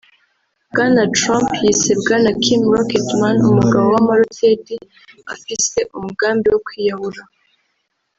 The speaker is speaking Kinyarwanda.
Bwana Trump yise Bwana Kim "rocket man" (umugabo w'amaroketi) afise "umugambi wo kwiyahura"